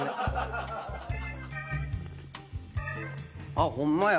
あっホンマや。